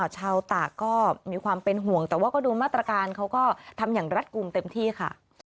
ชาวตากก็มีความเป็นห่วงแต่ว่าก็ดูมาตรการเขาก็ทำอย่างรัฐกลุ่มเต็มที่ค่ะ